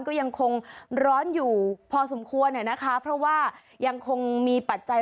ก็ยังคงร้อนอยู่พอสมควรนะคะเพราะว่ายังคงมีปัจจัย